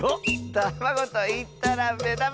「たまごといったらめだまやき！」